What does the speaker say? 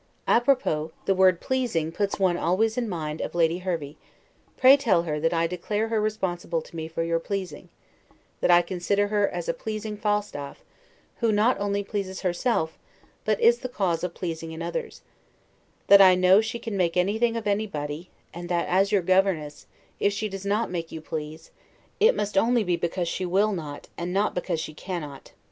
Apropos, the word PLEASING puts one always in mind of Lady Hervey; pray tell her, that I declare her responsible to me for your pleasing; that I consider her as a pleasing Falstaff, who not only pleases, herself, but is the cause of pleasing in others; that I know she can make anything of anybody; and that, as your governess, if she does not make you please, it must be only because she will not, and not because she cannot.